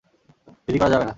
দেরি করা যাবে না।